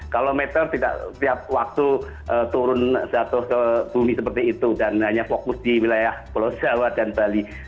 kalau meter tidak setiap waktu turun jatuh ke bumi seperti itu dan hanya fokus di wilayah pulau jawa dan bali